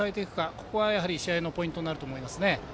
ここは試合のポイントになると思いますね。